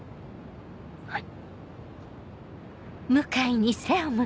はい。